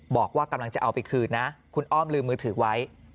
บอกว่ากำลังจะเอาไปคืนนะคุณอ้อมลืมมือถือไว้